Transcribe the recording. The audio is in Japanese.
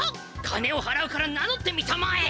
金をはらうから名乗ってみたまえ！